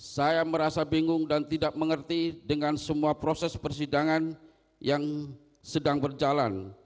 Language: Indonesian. saya merasa bingung dan tidak mengerti dengan semua proses persidangan yang sedang berjalan